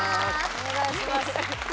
お願いします。